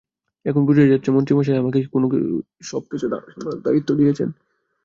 এখন বোঝাই যাচ্ছে মন্ত্রী মশাই আমাকেই কেন সবকিছু সামলানোর দায়িত্ব দিয়েছেন।